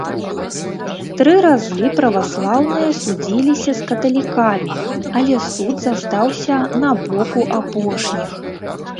Тры разы праваслаўныя судзіліся з каталікамі, але суд застаўся на боку апошніх.